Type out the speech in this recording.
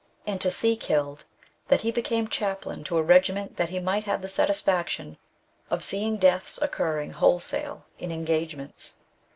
and to see killed, that he became chaplain to a regiment that he might have the satisfaction of seeing deaths occurring wholesale in engagements.